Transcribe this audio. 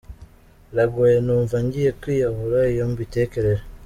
Birangoye numva ngiye kwiyahura iyo mbitekereje !